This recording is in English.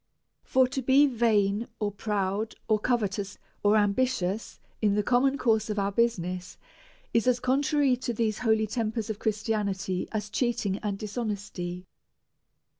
For to be vain, or proud, or covetous, or ambitious, in the common course of our business, is as contrary to these holy tempers of Christianity as cheating and dishonesty.